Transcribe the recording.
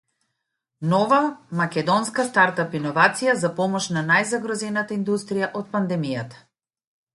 Нова македонска стартап иновација за помош на најзагрозената индустрија од пандемијата